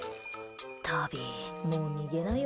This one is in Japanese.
タビ、もう逃げなよ。